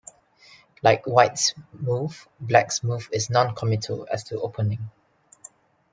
Like White's move, Black's move is non-committal as to opening.